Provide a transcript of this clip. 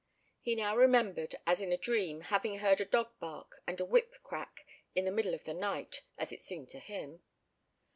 He now remembered as in a dream having heard a dog bark, and a whip crack, in the middle of the night, as it seemed to him.